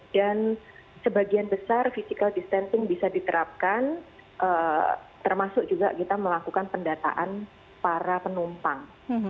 sebagian besar physical distancing bisa diterapkan termasuk juga kita melakukan pendataan para penumpang